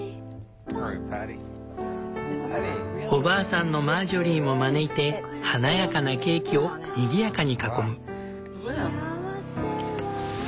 おばあさんのマージョリーも招いて華やかなケーキをにぎやかに囲む。